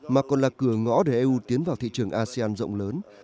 mà còn là cửa ngõ để eu tiến vào thị trường asean rộng lớn